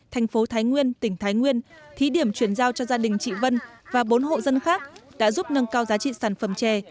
thành phố thái nguyên tỉnh thái nguyên thí điểm chuyển giao cho gia đình chị vân và bốn hộ dân khác đã giúp nâng cao giá trị sản phẩm chè